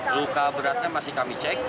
luka beratnya masih kami cek